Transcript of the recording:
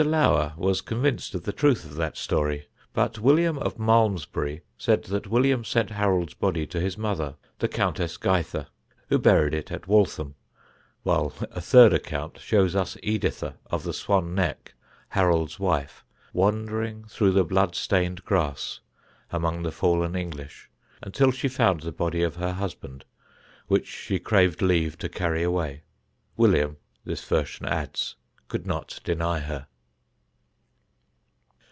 Lower was convinced of the truth of that story; but William of Malmesbury says that William sent Harold's body to his mother the Countess Gytha, who buried it at Waltham, while a third account shows us Editha of the Swan Neck, Harold's wife, wandering through the blood stained grass, among the fallen English, until she found the body of her husband, which she craved leave to carry away. William, this version adds, could not deny her.